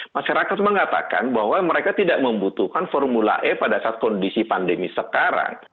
masyarakat mengatakan bahwa mereka tidak membutuhkan formula e pada saat kondisi pandemi sekarang